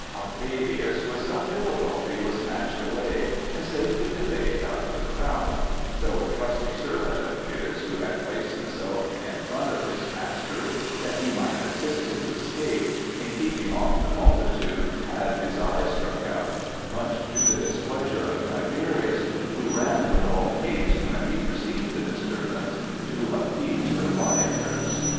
Octavius, with some difficulty, was snatched away, and safely conveyed out of the crowd; though a trusty servant of his, who had placed himself in front of his master that he might assist his escape, in keeping off the multitude, had his eyes struck out, much to the displeasure of Tiberius, who ran with all haste, when he perceived the disturbance, to appease the rioters."